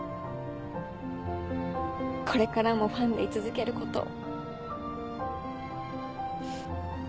これからもファンで居続けることを。